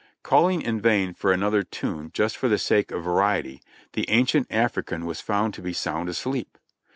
Calling in vain for another tune just for the sake of variety, the ancient African was found to be sound asleep.